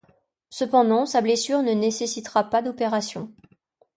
Cependant sa blessure ne nécessitera pas d'opération.